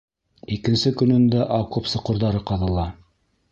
Икенсе көнөндә окоп соҡорҙары ҡаҙыла.